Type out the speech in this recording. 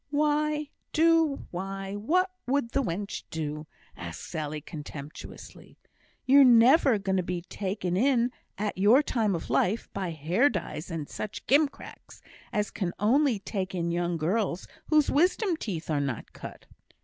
"Do why, what would the wench do?" asked Sally, contemptuously. "Ye're never going to be taken in, at your time of life, by hair dyes and such gimcracks, as can only take in young girls whose wisdom teeth are not cut."